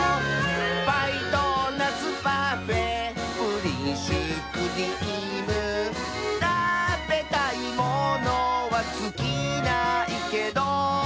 「パイドーナツパフェプリンシュークリーム」「たべたいものはつきないけど」